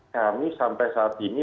kami sampai saat ini